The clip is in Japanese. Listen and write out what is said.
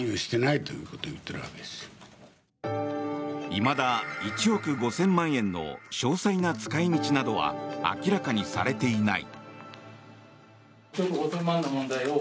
いまだ１億５０００万円の詳細な使い道などは明らかにされていない。